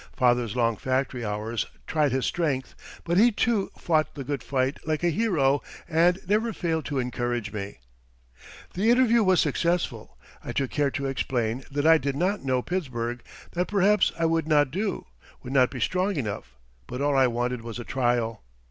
Father's long factory hours tried his strength, but he, too, fought the good fight like a hero and never failed to encourage me. The interview was successful. I took care to explain that I did not know Pittsburgh, that perhaps I would not do, would not be strong enough; but all I wanted was a trial.